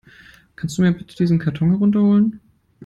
Kannst du mir bitte diesen Karton herunter holen?